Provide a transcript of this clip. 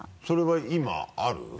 それは今ある？